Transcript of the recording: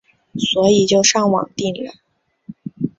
所以就上网订了